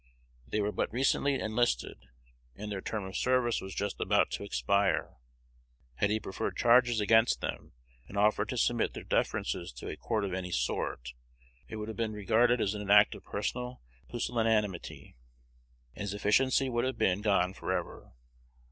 They were but recently enlisted, and their term of service was just about to expire. Had he preferred charges against them, and offered to submit their differences to a court of any sort, it would have been regarded as an act of personal pusillanimity, and his efficiency would have been gone forever.